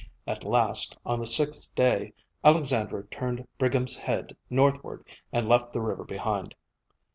At last, on the sixth day, Alexandra turned Brigham's head northward and left the river behind.